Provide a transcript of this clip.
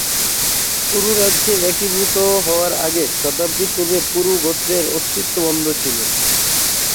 কুরু রাজ্যে একীভূত হওয়ার আগে শতাব্দী পূর্বে পুরু গোত্রের অস্তিত্ব বন্ধ ছিল।